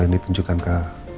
yang ditunjukkan ke